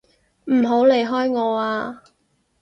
唔好離開我啊！